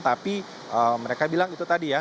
tapi mereka bilang itu tadi ya